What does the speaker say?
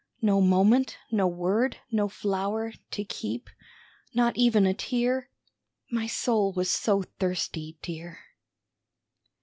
No moment, no word, no flower To keep; not even a tear? My soul was so thirsty, dear!